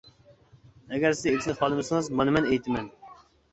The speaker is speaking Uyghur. ئەگەر سىز ئېيتىشنى خالىمىسىڭىز مانا مەن ئېيتىمەن.